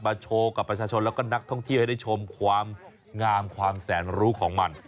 โชว์กับประชาชนแล้วก็นักท่องเที่ยวให้ได้ชมความงามความแสนรู้ของมัน